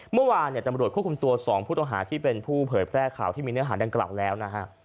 เมื่อวานเนี่ยตำรวจควบคุมตัว๒ผู้ต้องหาที่เป็นผู้เผยแพร่ข่าวที่มีเนื้อหาดังกล่าวแล้วนะฮะ